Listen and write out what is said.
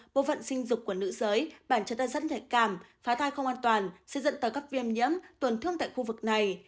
bộ phận sinh dục của nữ giới bản chất đã rất nhạy cảm phá thai không an toàn sẽ dẫn tới các viêm nhiễm tuần thương tại khu vực này